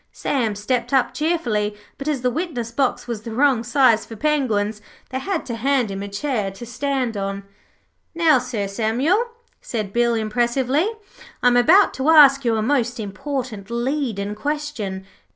Sam stepped up cheerfully, but, as the witness box was the wrong size for Penguins, they had to hand him a chair to stand on. 'Now, Sir Samuel,' said Bill, impressively, 'I am about to ask you a most important leadin' question.